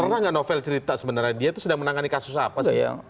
pernah nggak novel cerita sebenarnya dia itu sedang menangani kasus apa sih